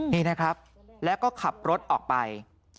นี่นะครับแล้วก็ขับรถออกไป